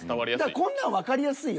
こんなんわかりやすいよ。